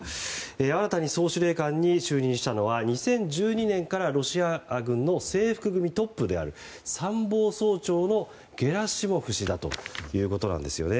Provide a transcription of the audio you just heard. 新たに総司令官に就任したのは２０１２年からロシア軍の制服組トップである参謀総長のゲラシモフ氏だということなんですね。